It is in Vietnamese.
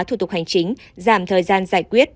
thủ tục hành chính giảm thời gian giải quyết